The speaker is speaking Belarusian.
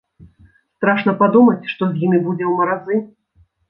Страшна падумаць, што з імі будзе ў маразы.